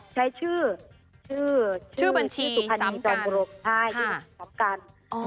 ใช้ชื่อชื่อสุพัณธ์นี้สำกัน